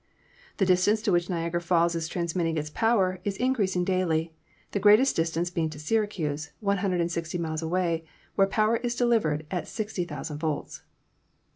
The distance to which Niagara Falls is transmitting its power is in creasing daily, the greatest distance being to Syracuse, 160 miles away, where power is delivered at 60,000 volts.